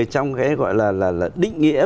trong cái gọi là định nghĩa